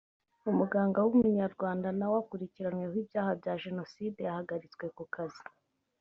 umuganga w’Umunyarwanda nawe ukurikiranyweho ibyaha bya Jenoside yahagaritswe ku kazi